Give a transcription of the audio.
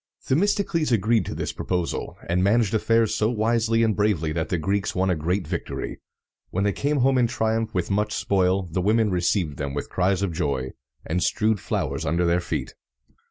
Themistocles agreed to this proposal, and managed affairs so wisely and bravely that the Greeks won a great victory. When they came home in triumph with much spoil, the women received them with cries of joy, and strewed flowers under their feet.